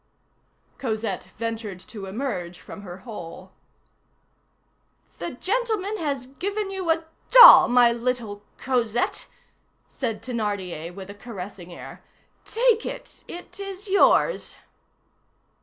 Cosette ventured to emerge from her hole. "The gentleman has given you a doll, my little Cosette," said Thénardier, with a caressing air. "Take it; it is yours."